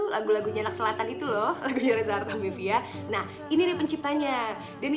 lagu lagunya nak selatan itu loh lagunya reza arthamuvia nah ini penciptanya dhani